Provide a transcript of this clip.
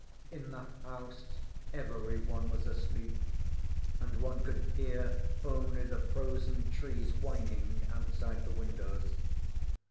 In the house every one was asleep, and one could hear only the frozen trees whining outside the windows.